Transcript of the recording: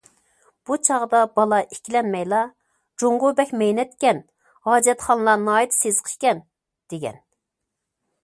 بۇ چاغدا بالا ئىككىلەنمەيلا:« جۇڭگو بەك مەينەتكەن، ھاجەتخانىلار ناھايىتى سېسىق ئىكەن» دېگەن.